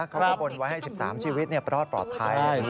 เขาบนไว้๑๓ชีวิตไม่รอดปลอดภัย